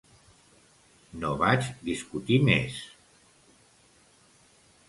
No vaig discutir més…